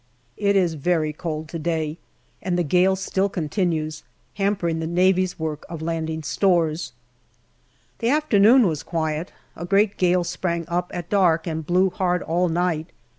It is very cold to day, and the gale still continues, hamper ing the Navy's work of landing stores. The afternoon was quiet. A great gale sprang up at dark and blew hard all night.